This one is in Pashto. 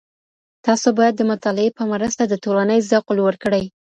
تاسو بايد د مطالعې په مرسته د ټولني ذوق لوړ کړئ.